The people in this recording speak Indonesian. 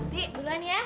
t duluan ya